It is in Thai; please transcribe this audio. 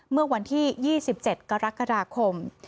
เมื่อวันที่๒๗กรกฎาคม